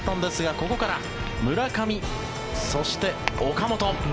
ここから村上、そして岡本